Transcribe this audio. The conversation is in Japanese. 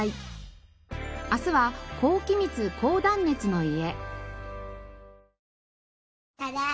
明日は高気密高断熱の家。